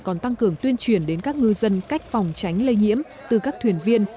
còn tăng cường tuyên truyền đến các ngư dân cách phòng tránh lây nhiễm từ các thuyền viên